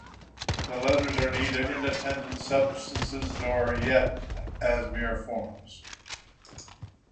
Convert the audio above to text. The letters are neither independent substances nor yet as mere forms.